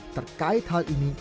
terkait hal ini